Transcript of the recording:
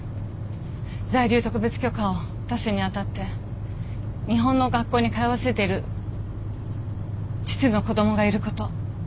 「在留特別許可を出すに当たって日本の学校に通わせている実の子供がいること。